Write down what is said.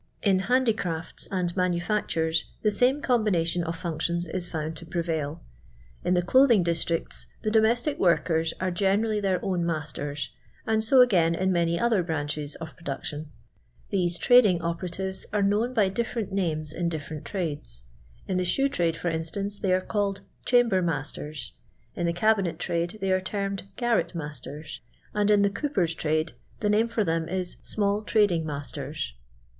lu handi crafts and manufactures the same combination of functions is found to prevail. In the clothiiuf districts the domestic workers are generally tbeir own masters, and so again in many other branchei of production. These tntding operatives are known by different names in ditlerent trades. In till* shoe trade, for iuAtance, they are called " chamber masters," in the cabinet trade " thej are termed " garret masters," and in '* the cooprri trade" the name for them is "small trading I nuisters.'